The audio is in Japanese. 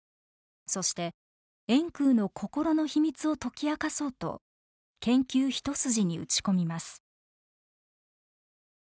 そして円空の心の秘密を解き明かそうと研究一筋に打ち込みます。